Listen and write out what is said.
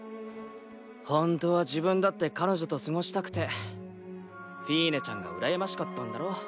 ほんとは自分だって彼女と過ごしたくてフィーネちゃんが羨ましかったんだろ？